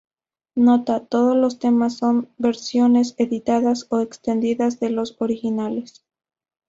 Nota: Todos los temas son versiones editadas o extendidas de los originales.